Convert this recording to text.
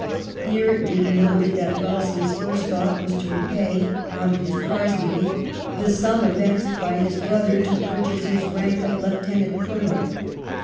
Here it may be noted that Wellesley's first thought was to repay, out of his prize money, the sum advanced by his brother to purchase his rank of Lieutenant Colonel.